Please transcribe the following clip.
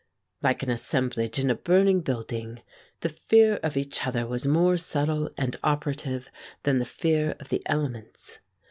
Like an assemblage in a burning building, the fear of each other was more subtile and operative than the fear of the elements.